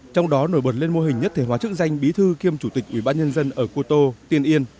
trong đó nổi bật lên mô hình nhất thể hóa chức danh bí thư kiêm chủ tịch ubnd ở cô tô tiên yên